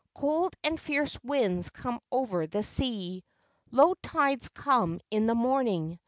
Cold and fierce winds come over the sea. Low tides come in the morning.